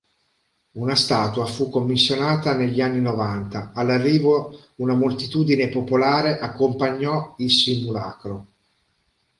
Una statua fu commissionata negli anni novanta: all'arrivo una moltitudine popolare accompagnò il simulacro.